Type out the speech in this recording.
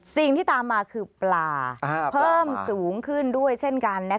สิ่งที่ตามมาคือปลาเพิ่มสูงขึ้นด้วยเช่นกัน